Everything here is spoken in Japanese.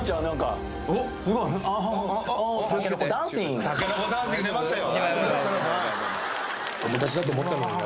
たけのこダンシングでましたよ